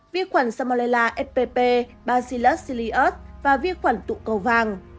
vi khuẩn samolella spp bacillus sirius và vi khuẩn tụ cầu vàng